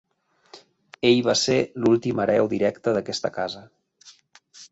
Ell va ser l'últim hereu directe d'aquesta casa.